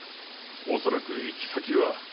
おそらく行き先は。